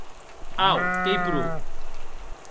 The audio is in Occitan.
Au, qu’ei pro!